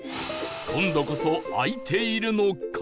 今度こそ開いているのか？